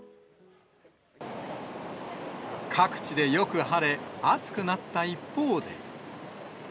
各地でよく晴れ、暑くなった一方で。